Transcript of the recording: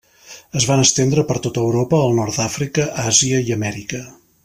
Es van estendre per tot Europa, el nord d'Àfrica, Àsia i Amèrica.